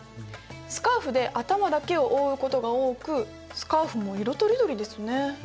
スカーフで頭だけを覆うことが多くスカーフも色とりどりですね。